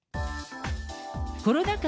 コロナ禍